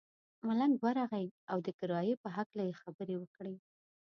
ملنګ ورغئ او د کرایې په هکله یې خبرې وکړې.